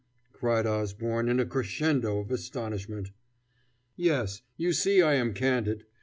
cried Osborne in a crescendo of astonishment. "Yes. You see I am candid.